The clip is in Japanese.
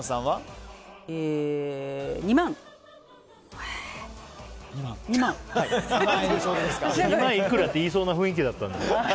２万いくらって言いそうな雰囲気だったのに。